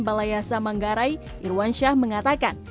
balai yasa manggarai irwansyah mengatakan